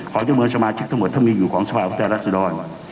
ของเจ้าเมืองสมาชิกทั้งหมดเท่ามีอยู่ของสภาพุทธรรศดร